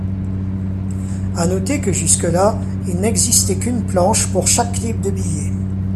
À noter que jusque-là, il n’existait qu’une planche pour chaque type de billets.